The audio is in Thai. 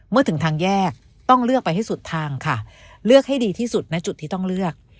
เมื่อถึงทางแยกต้องเลือกไปให้สุดทางค่ะเลือกให้ดีที่สุดนะจุดที่ต้องเลือก